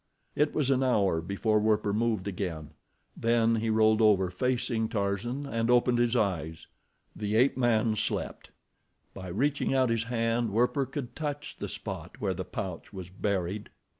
It was an hour before Werper moved again, then he rolled over facing Tarzan and opened his eyes. The ape man slept. By reaching out his hand Werper could touch the spot where the pouch was buried.